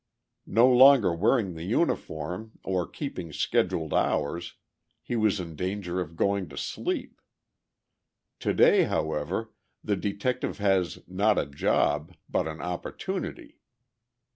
No longer wearing the uniform or keeping scheduled hours, he was in danger of going to sleep. To day, however, the detective has, not a job, but an opportunity.